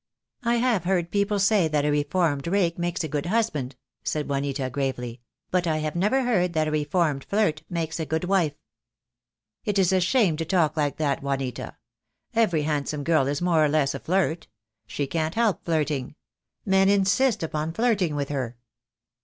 "I have heard people say that a reformed rake makes 2 $2 THE DAY WILL COME. a good husband," said Juanita gravely, "but I have never heard that a reformed flirt makes a good wife." "It is a shame to talk like that, Juanita. Every hand some girl is more or less a flirt. She can't help flirting. Men insist upon flirting with her."